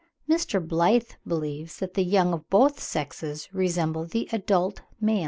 Mr. Blyth believes, that the young of both sexes resemble the adult male.